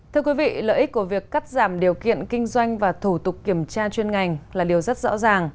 thưa quý vị lợi ích của việc cắt giảm điều kiện kinh doanh và thủ tục kiểm tra chuyên ngành là điều rất rõ ràng